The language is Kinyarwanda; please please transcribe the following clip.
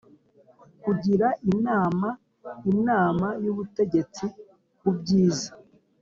kugira inama inama y ubutegetsi ku byiza